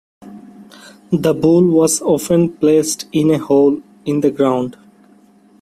The bull was often placed in a hole in the ground.